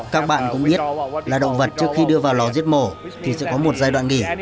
các bạn cũng biết là động vật trước khi đưa vào lò giết mổ thì sẽ có một giai đoạn nghỉ